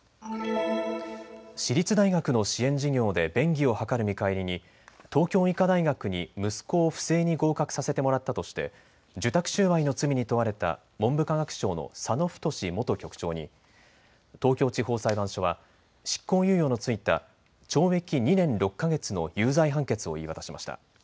私立大学の支援事業で便宜を図る見返りに東京医科大学に息子を不正に合格させてもらったとして受託収賄の罪に問われた文部科学省の佐野太元局長に東京地方裁判所は執行猶予の付いた懲役２年６か月の有罪判決を言い渡しました。